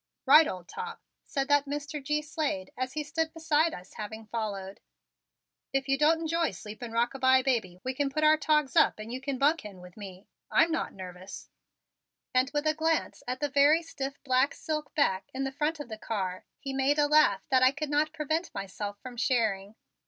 "Right, old top," said that Mr. G. Slade as he stood beside us, having followed. "If you don't enjoy sleeping rock a bye baby we can put our togs up and you can bunk in with me. I'm not nervous." And with a glance at the very stiff black silk back in the front of the car he made a laugh that I could not prevent myself from sharing.